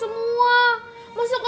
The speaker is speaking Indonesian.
uw mampet lah